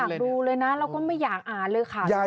อยากดูเลยนะเราก็ไม่อยากอ่านเลยค่ะ